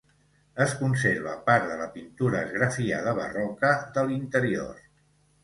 Es conserva part de la pintura esgrafiada barroca de l'interior.